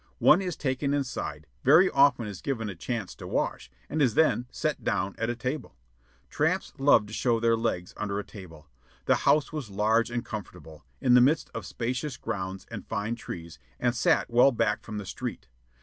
One is taken inside, very often is given a chance to wash, and is then "set down" at a table. Tramps love to throw their legs under a table. The house was large and comfortable, in the midst of spacious grounds and fine trees, and sat well back from the street.